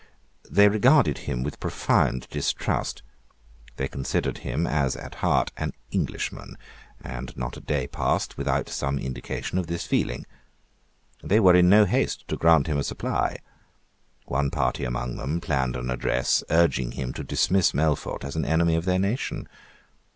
They regarded him with profound distrust; they considered him as at heart an Englishman; and not a day passed without some indication of this feeling. They were in no haste to grant him a supply. One party among them planned an address urging him to dismiss Melfort as an enemy of their nation.